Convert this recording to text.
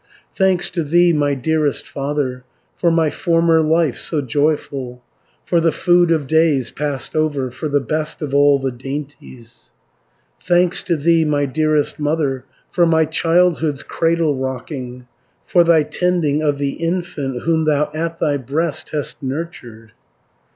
"Thanks to thee, my dearest father, For my former life so joyful, For the food of days passed over, For the best of all the dainties Thanks to thee, my dearest mother, For my childhood's cradle rocking, For thy tending of the infant, Whom thou at thy breast hast nurtured.